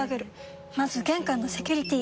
まず玄関のセキュリティ！